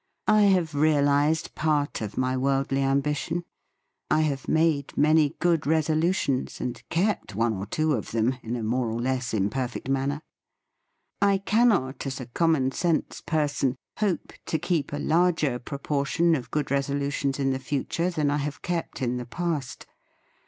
I have realised part of my world ly ambition. I have made many good resolutions, and kept one or two of them in a more or less imperfect man ner. I cannot, as a commonsense per son, hope to keep a larger proportion of good resolutions in the future than I have kept in the past.